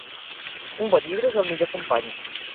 Un bon llibre és el millor company.